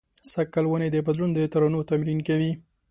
سږ کال ونې د بدلون د ترانو تمرین کوي